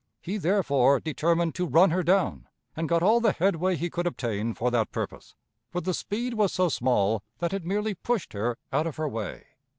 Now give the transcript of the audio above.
He, therefore, determined to run her down, and got all the headway he could obtain for that purpose, but the speed was so small that it merely pushed her out of her way.